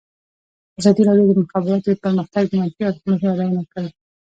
ازادي راډیو د د مخابراتو پرمختګ د منفي اړخونو یادونه کړې.